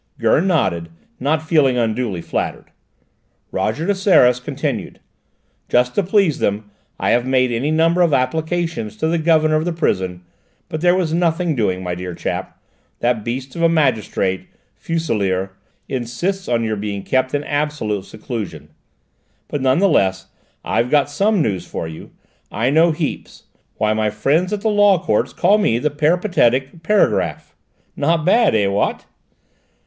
Gurn nodded, not feeling unduly flattered. Roger de Seras continued. "Just to please them I have made any number of applications to the governor of the prison, but there was nothing doing, my dear chap; that beast of a magistrate, Fuselier, insists on your being kept in absolute seclusion. But none the less, I've got some news for you. I know heaps: why, my friends at the Law Courts call me 'the peripatetic paragraph!' Not bad, eh, what?"